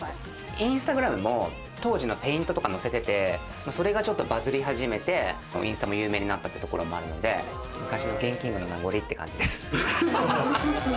インスタグラムも当時のペイントとか載せててそれがちょっとバズりはじめて、インスタも有名になったところもあるんで昔のＧＥＮＫＩＮＧ．の名残って感じです。